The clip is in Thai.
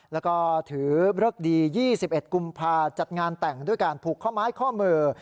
แล้วก็ถือเลิกดี๒๑กุมภาจัดงานแต่งด้วยการผูกข้อไม้ข้อมือ